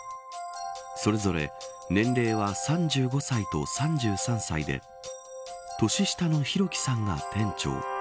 それぞれ年齢は３５歳と３３歳で年下の弘輝さんが店長。